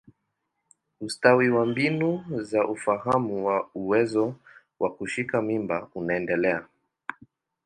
Ustawi wa mbinu za ufahamu wa uwezo wa kushika mimba unaendelea.